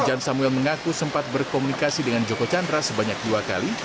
jan samuel mengaku sempat berkomunikasi dengan joko chandra sebanyak dua kali